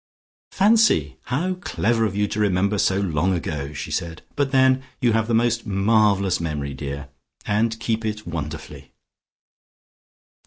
"Fancy! How clever of you to remember so long ago," she said. "But, then, you have the most marvellous memory, dear, and keep it wonderfully!"